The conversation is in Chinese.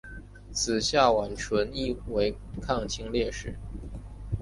子夏完淳亦为抗清烈士。